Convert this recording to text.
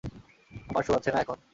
আমার শো আছে না, এখন।